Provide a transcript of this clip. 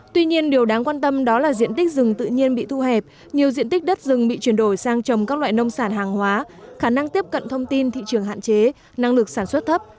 tuy nhiên điều đáng quan tâm đó là diện tích rừng tự nhiên bị thu hẹp nhiều diện tích đất rừng bị chuyển đổi sang trồng các loại nông sản hàng hóa khả năng tiếp cận thông tin thị trường hạn chế năng lực sản xuất thấp